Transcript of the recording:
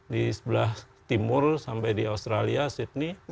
di sebelah timur sampai di australia sydney